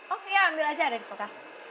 oh iya ambil aja ada di bekas